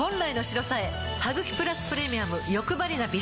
「ハグキプラスプレミアムよくばりな美白」